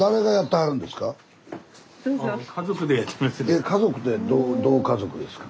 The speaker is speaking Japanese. え家族ってどう家族ですか？